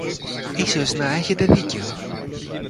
Ίσως να έχετε δίκιο